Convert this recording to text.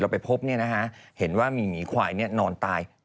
เราไปพบเนี่ยนะฮะเห็นว่ามีหมีควายนอนตาย